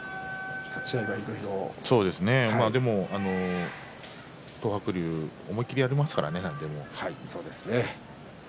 でも、東白龍は思い切りやりますからね、何でも。